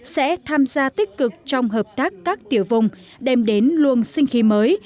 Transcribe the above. sẽ tham gia tích cực trong hợp tác các tiểu vùng đem đến luôn sinh khí mới